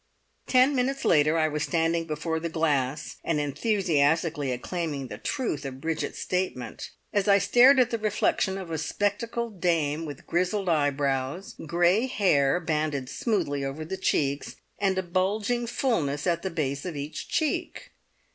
Ten minutes later I was standing before the glass and enthusiastically acclaiming the truth of Bridget's statement, as I stared at the reflection of a spectacled dame with grizzled eyebrows, grey hair banded smoothly over the ears, and a bulging fullness at the base of each cheek!